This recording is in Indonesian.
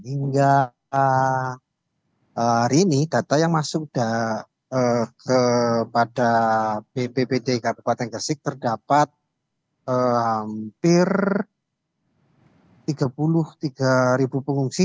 hingga hari ini data yang masuk kepada bppt kabupaten gresik terdapat hampir tiga puluh tiga pengungsi